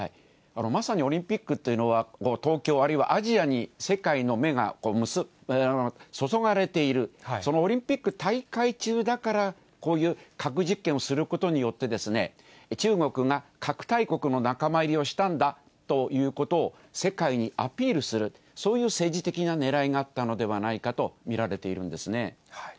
まさにオリンピックっていうのは、東京、あるいはアジアに世界の目が注がれている、そのオリンピック大会中だから、こういう核実験をすることによって、中国が核大国の仲間入りをしたんだということを、世界にアピールする、そういう政治的なねらいがあったのではないかと見られているんですね。